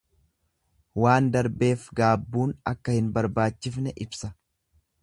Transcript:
Waan darbeef gaabbuun akka hin barbaachifne ibsa.